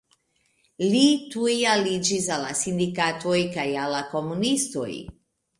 Li tuj aliĝis al la sindikatoj kaj al la komunistoj.